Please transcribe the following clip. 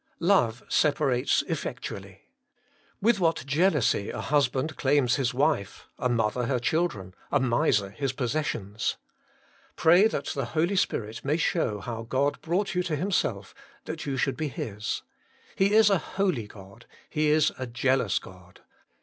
1. Love separates effectually. With what jealousy a husband claims his wife, a mother her children, a miser his possessions ! Pray that the Holy Spirit may show how God brought you to Himself, that you should be His, 'He is a holy God ; He is a Jealous God.'